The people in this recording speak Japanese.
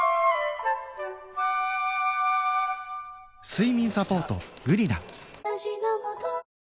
睡眠サポート「グリナ」